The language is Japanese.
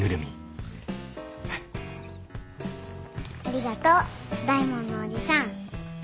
ありがとう大門のおじさん。